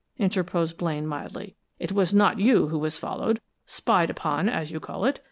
interposed Blaine, mildly. "It was not you who was followed, spied upon, as you call it.